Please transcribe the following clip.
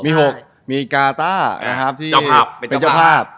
มี๖มีกาต้านะครับที่เป็นเจ้าภาพ